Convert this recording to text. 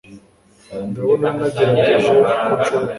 ndabona nagerageje uko nshoboye